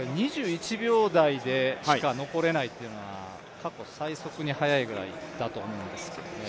２１秒台でしか残れないっていうのは過去最速に速いぐらいだと思うんですけどね。